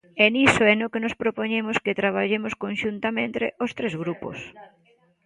E niso é no que propoñemos que traballemos conxuntamente os tres grupos.